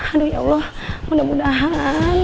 aduh ya allah mudah mudahan